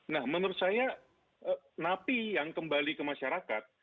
nah menurut saya napi yang kembali ke masyarakat